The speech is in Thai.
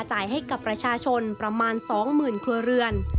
จ่ายให้กับประชาชนประมาณ๒๐๐๐ครัวเรือน